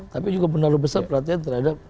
tapi juga menaruh besar pelatihan terhadap